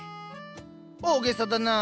大げさだなあ。